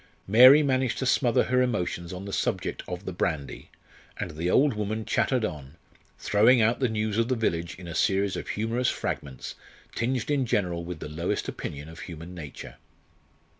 Mary managed to smother her emotions on the subject of the brandy, and the old woman chattered on, throwing out the news of the village in a series of humorous fragments, tinged in general with the lowest opinion of human nature.